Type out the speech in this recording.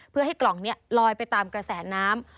เพื่อให้กล่องนี้ลอยไปตามกระแสน้ำ